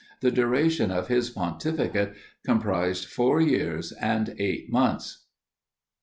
The duration of his pontificate comprised four years and eight months.